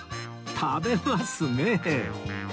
食べますねえ